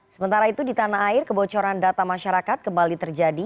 sementara itu di tanah air kebocoran data masyarakat kembali terjadi